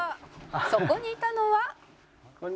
「そこにいたのは」